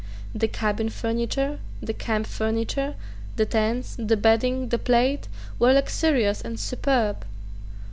The cabin furniture, the camp furniture, the tents, the bedding, the plate, were luxurious and superb.